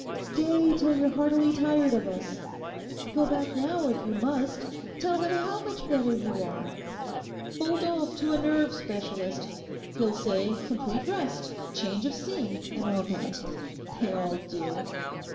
Stay till you're heartily tired of us. Go back now, if you must; tell them how much better you are. Bolt off to a nerve specialist. He'll say complete rest—change of scene, and all that. They all do.